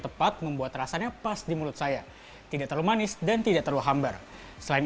tepat membuat rasanya pas di mulut saya tidak terlalu manis dan tidak terlalu hambar selain